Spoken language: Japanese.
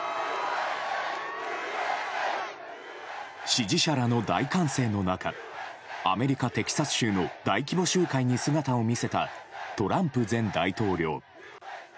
支持者らの大歓声の中アメリカ・テキサス州の大規模集会に姿を見せたトランプ前大統領。